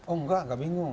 oh enggak enggak bingung